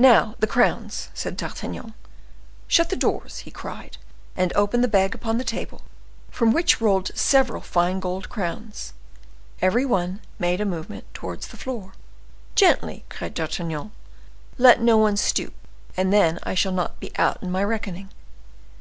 "Now the crowns!" said D'Artagnan. "Shut the doors," he cried, and opened the bag upon the table, from which rolled several fine gold crowns. Every one made a movement towards the floor. "Gently!" cried D'Artagnan. "Let no one stoop, and then I shall not be out in my reckoning."